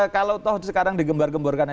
kalau toh sekarang digembar gemburkan